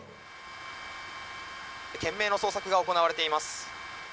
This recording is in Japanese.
懸命の捜索が行われています。